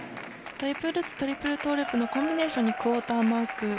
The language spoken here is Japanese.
トリプルルッツトリプルトーループのコンビネーションにクオーターマーク。